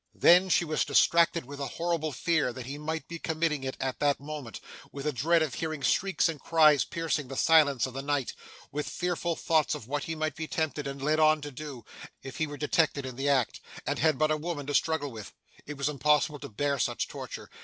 Then, she was distracted with a horrible fear that he might be committing it at that moment; with a dread of hearing shrieks and cries piercing the silence of the night; with fearful thoughts of what he might be tempted and led on to do, if he were detected in the act, and had but a woman to struggle with. It was impossible to bear such torture.